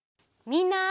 みんな。